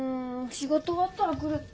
仕事終わったら来るって。